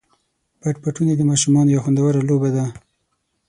پټ پټوني د ماشومانو یوه خوندوره لوبه ده.